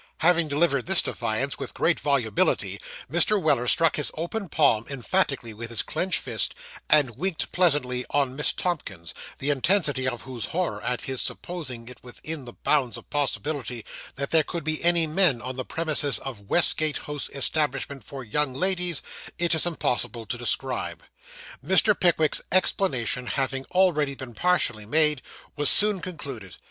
Having delivered this defiance with great volubility, Mr. Weller struck his open palm emphatically with his clenched fist, and winked pleasantly on Miss Tomkins, the intensity of whose horror at his supposing it within the bounds of possibility that there could be any men on the premises of Westgate House Establishment for Young Ladies, it is impossible to describe. Mr. Pickwick's explanation having already been partially made, was soon concluded.